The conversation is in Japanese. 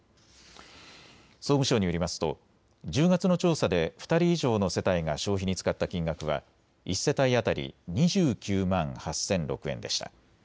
総務省によりますと１０月の調査で２人以上の世帯が消費に使った金額は１世帯当たり２９万８００６円でした。